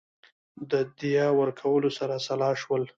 د دیه ورکولو سره سلا شول.